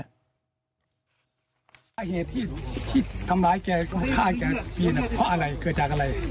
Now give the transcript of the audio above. เหตุที่ทำร้ายแกก็ฆ่าแกเพียงว่าอะไรเกิดจากอะไร